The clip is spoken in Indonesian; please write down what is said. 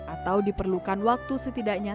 atau diperlukan waktu setidaknya